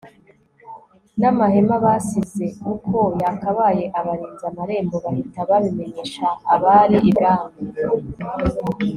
n amahema basize uko yakabaye Abarinzi amarembo bahita babimenyesha abari ibwami